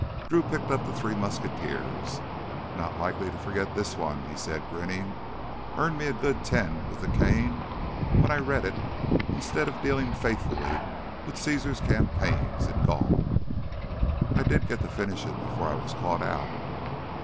Drew picked up The Three Musketeers. "Not likely to forget this one," he said, grinning. "Earned me a good ten with the cane when I read it instead of dealing faithfully with Caesar's campaigns in Gaul. I did get to finish it before I was caught out."